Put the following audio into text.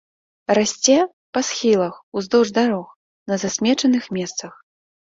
Расце па схілах, уздоўж дарог, на засмечаных месцах.